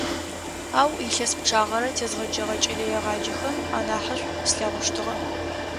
Ау илъэс пчъагъэрэ тезгъэджэгъэ кӀэлэегъаджэхэм анахьышӀу слъэгъущтыгъэ.